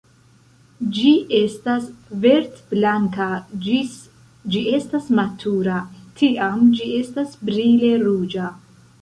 Ĝi estas verd-blanka ĝis ĝi estas matura, tiam ĝi estas brile ruĝa.